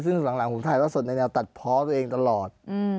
ซึ่งหลังผมถ่ายแล้วสดในแนวตัดเพาะตัวเองตลอด